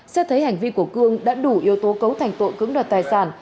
xét thấy hành vi của cương đã đủ yếu tố cấu thành tội cứng đoạt tài sản